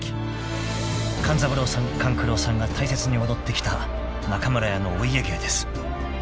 ［勘三郎さん勘九郎さんが大切に踊ってきた中村屋のお家芸です］